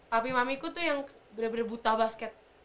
tapi mamiku tuh yang berde berde buta basket